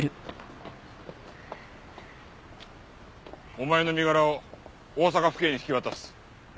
お前の身柄を大阪府警に引き渡す。